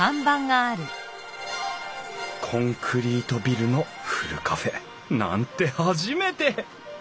コンクリートビルのふるカフェなんて初めて！